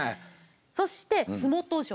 そして洲本城。